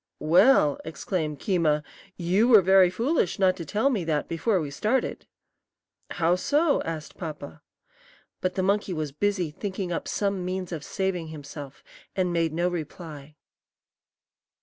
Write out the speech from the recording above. "Well," exclaimed Keema, "you were very foolish not to tell me that before we started!" "How so?" asked Papa. But the monkey was busy thinking up some means of saving himself, and made no reply.